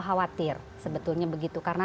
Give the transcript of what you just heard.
khawatir sebetulnya begitu karena